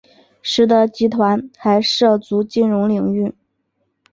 实德集团还涉足金融领域。